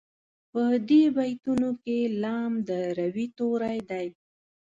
په دې بیتونو کې لام د روي توری دی.